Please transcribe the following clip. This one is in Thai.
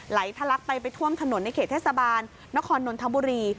ทะลักไปไปท่วมถนนในเขตเทศบาลนครนนทบุรี